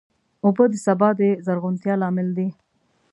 اوبه د سبا د زرغونتیا لامل دي.